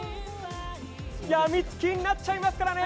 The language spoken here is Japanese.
病みつきになっちゃいますからね